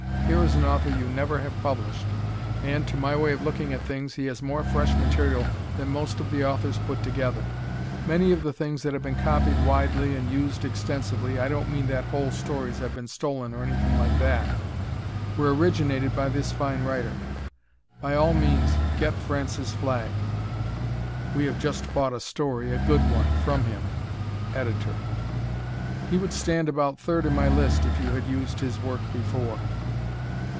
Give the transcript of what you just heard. Here is an author you never have published, and, to my way of looking at things, he has more fresh material than most of the authors put together. Many of the things that have been copied widely and used extensively (I don't mean that whole stories have been stolen, or anything like that) were originated by this fine writer. By all means get Francis Flagg. [We have just bought a story a good one from him! Ed]. He would stand about third in my list if you had used his work before.